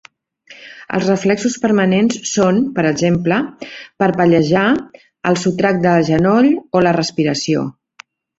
Els reflexos permanents són, per exemple, parpellejar, el sotrac de genoll o la respiració.